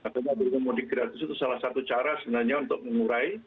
karena bergurau mudik gratis itu salah satu cara sebenarnya untuk mengurai